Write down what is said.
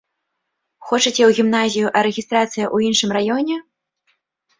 Хочаце ў гімназію, а рэгістрацыя ў іншым раёне?